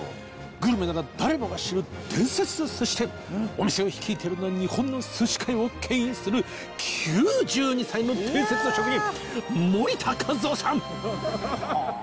グルメなら誰もが知る伝説の寿司店お店を率いているのは日本の寿司界を牽引する９２歳の伝説の職人